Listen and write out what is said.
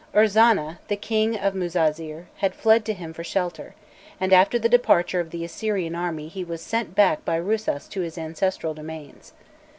Urzana, the King of Muzazir, had fled to him for shelter, and after the departure of the Assyrian army he was sent back by Rusas to his ancestral domains.